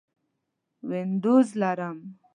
وینډوز لرم